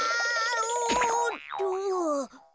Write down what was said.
おっと。